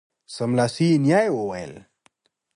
سملاسي یې نیا وویل